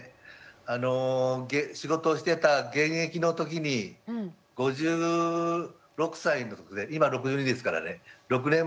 あの仕事をしてた現役の時に５６歳の時で今６２ですからね６年前認知症と診断されました。